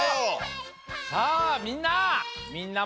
さあみんな！